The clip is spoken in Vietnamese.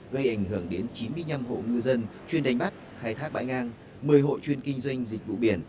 gây ảnh hưởng đến chín mươi năm hộ ngư dân chuyên đánh bắt khai thác bãi ngang một mươi hộ chuyên kinh doanh dịch vụ biển